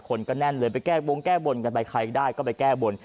คนก็แน่นเลยไปแก้บงแก้บนกันไปใครได้ก็ไปแก้บน